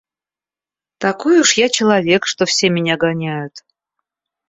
Такой уж я человек, что все меня гоняют.